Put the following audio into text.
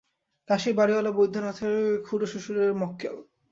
কাশীর বাড়িওয়ালা বৈদ্যনাথের খুড়শ্বশুরের মক্কেল।